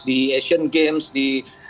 di asian games di